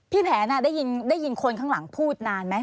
แผนได้ยินคนข้างหลังพูดนานไหม